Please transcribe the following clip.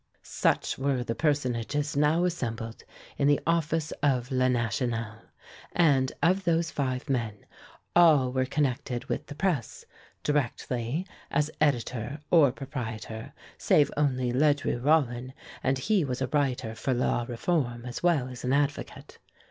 Such were the personages now assembled in the office of "Le National;" and, of those five men, all were connected with the press, directly, as editor or proprietor, save only Ledru Rollin, and he was a writer for "La Réforme," as well as an advocate.